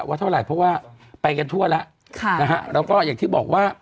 ว่าเท่าไหร่เพราะว่าไปกันทั่วแล้วค่ะนะฮะแล้วก็อย่างที่บอกว่า